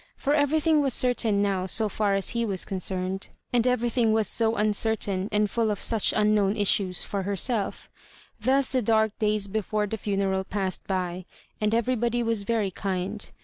For everythini? was certain dow so far as he was oonoemed ; aud everything was so uncertain, and full of such un known issues for berselC Thus the dark days before the funeral passed by^and everybody was very kind.